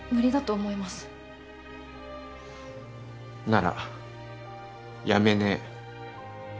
なら辞めねえ。